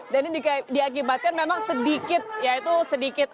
dan ini diakibatkan memang sedikit ya itu sedikit